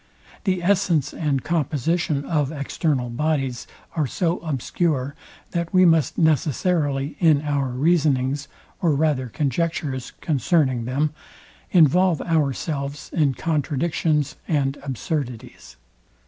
The essence and composition of external bodies are so obscure, that we must necessarily, in our reasonings, or rather conjectures concerning them, involve ourselves in contradictions and absurdities.